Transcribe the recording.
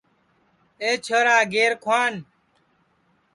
اے چھورا گیر کُھوان